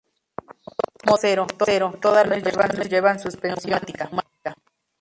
Motor trasero: todas las versiones llevan suspensión neumática.